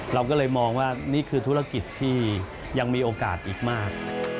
เราก็เลยมองว่านี่คือธุรกิจที่ยังมีโอกาสอีกมาก